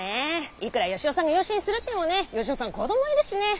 いくら吉雄さんが養子にするってもねぇ吉雄さん子どもいるしねぇ。